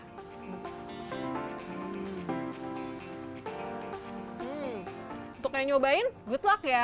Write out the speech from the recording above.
hai untuk nyobain good luck ya